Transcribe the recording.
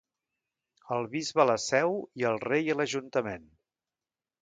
El bisbe a la Seu i el rei a l'ajuntament.